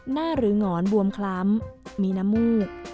หรือหงอนบวมคล้ำมีน้ำมูก